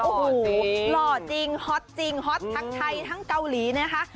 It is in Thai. โอ้โหหล่อจริงฮอตจริงฮอตทั้งไทยทั้งเกาหลีนะคะ